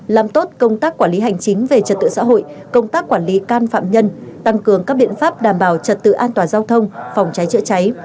làm tốt công tác quản lý hành chính về trật tự xã hội công tác quản lý can phạm nhân tăng cường các biện pháp đảm bảo trật tự an toàn giao thông phòng cháy chữa cháy